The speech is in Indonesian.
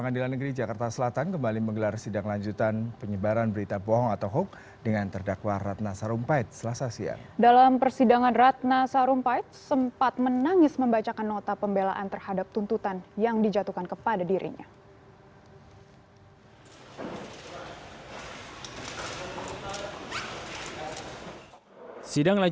dalam persidangan ratna sarumpait sempat menangis membacakan nota pembelaan terhadap tuntutan yang dijatuhkan kepada dirinya